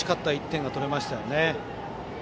１点が取れましたね。